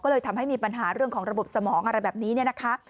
ก็เลยทำให้มีปัญหาเรื่องของระบบสมองอะไรแบบนี้เนี่ยนะคะ